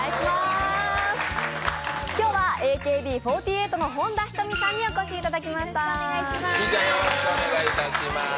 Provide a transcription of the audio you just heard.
今日はＡＫＢ４８の本田仁美さんにお越しいただきました。